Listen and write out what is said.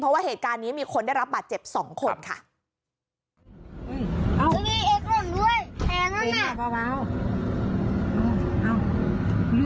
เพราะว่าเหตุการณ์นี้มีคนได้รับบาดเจ็บสองคนค่ะเอ้ยเอ๊ะเอ๊ะออกเลยนะไหนคนอื่นอ่ะไม่รู้อ่ะ